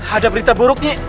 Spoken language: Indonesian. ada berita buruk nyik